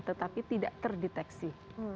tetapi tidak terdeteksi